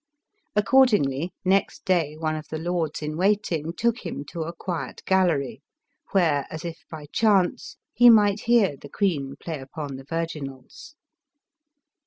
Accordingly, next day one of the lords in waiting took him to a quiet gallery, where, as if by chance, he might hear the queen play upon the virgi nals.